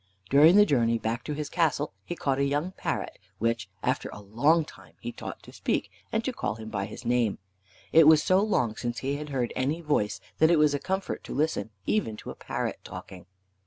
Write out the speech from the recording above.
During the journey back to his castle he caught a young parrot, which, after a long time, he taught to speak and to call him by his name. It was so long since he had heard any voice, that it was a comfort to listen even to a parrot talking.